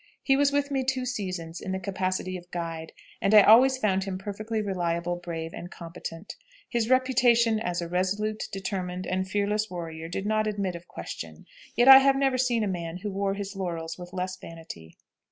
He was with me two seasons in the capacity of guide, and I always found him perfectly reliable, brave, and competent. His reputation as a resolute, determined, and fearless warrior did not admit of question, yet I have never seen a man who wore his laurels with less vanity.